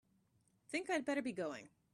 Think I'd better be going.